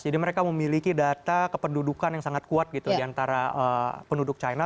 jadi mereka memiliki data kependudukan yang sangat kuat di antara penduduk china